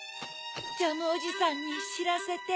ジャムおじさんにしらせて。